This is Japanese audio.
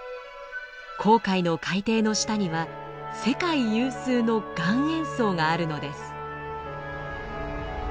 紅海の海底の下には世界有数の岩塩層があるのです。